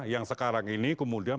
yang sekarang ini kemudian